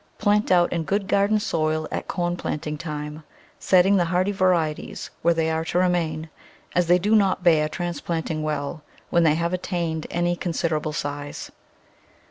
Plant out in good garden soil at corn planting time, setting the hardy varieties where they are to remain, as they do not bear transplanting well when they have attained any considerable size.